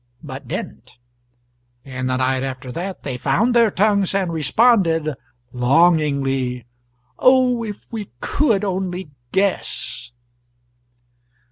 But didn't. And the night after that they found their tongues and responded longingly: "Oh, if we could only guess!"